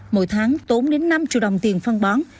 mỗi tháng tốn đến năm triệu đồng tiền phân